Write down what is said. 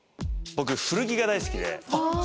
僕古着が大好きで。